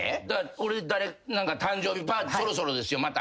俺誕生日パーティーそろそろですよまた。